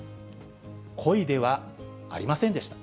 故意ではありませんでした。